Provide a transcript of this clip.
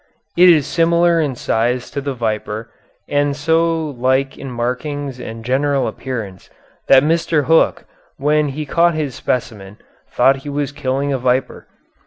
It is similar in size to the viper, and so like in markings and general appearance that Mr. Hook, when he caught his specimen, thought he was killing a viper.